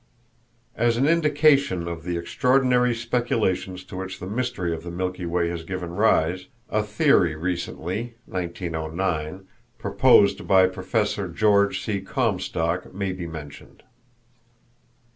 As an indication of the extraordinary speculations to which the mystery of the Milky Way has given rise, a theory recently (1909) proposed by Prof. George C. Comstock may be mentioned.